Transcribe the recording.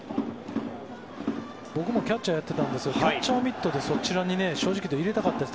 僕もキャッチャーやっていたんですがキャッチャーミットに正直言って入れたかったです。